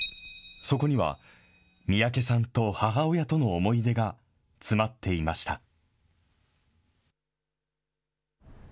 そこには、三宅さんと母親との思い出が詰まっていました。